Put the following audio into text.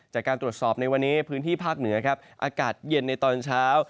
จากการตรวจสอบในวันนี้พื้นที่ภาคเหนือครับอากาศเย็นในตอนเช้า